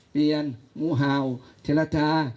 เปลี่ยนมูเห่าเฉลธา